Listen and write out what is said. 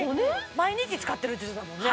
毎日使ってるって言ってたもんね